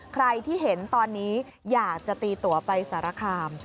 ใครที่เห็นตอนนี้อยากจะตีตัวไปสารคาม